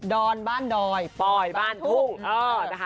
อนบ้านดอยปอยบ้านทุ่งนะคะ